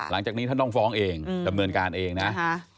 หลังจากนี้ท่านต้องฟ้องเองดำเนินการเองนะ